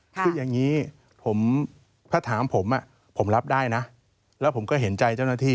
คืออย่างนี้ผมถ้าถามผมผมรับได้นะแล้วผมก็เห็นใจเจ้าหน้าที่